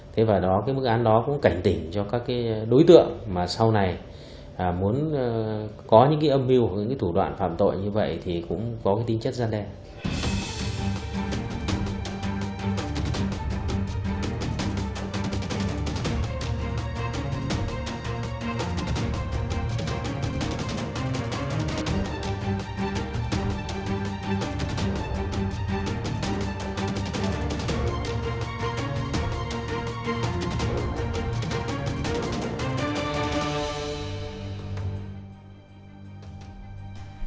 thế và đó cái mức án đó cũng cảnh tỉnh cho các cái đối tượng mà sau này muốn có những cái âm mưu những cái thủ đoạn phạm tội như vậy thì cũng có cái tinh chất gian đen